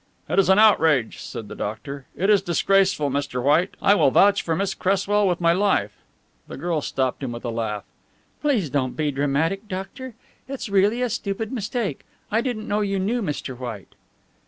"It is an outrage," said the doctor. "It is disgraceful, Mr. White. I will vouch for Miss Cresswell with my life." The girl stopped him with a laugh. "Please don't be dramatic, doctor. It's really a stupid mistake. I didn't know you knew Mr. White."